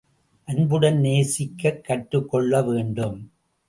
அன்புடன் நேசிக்கக் கற்றுக் கொள்ள வேண்டும்.